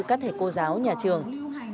các thầy cô giáo nhà trường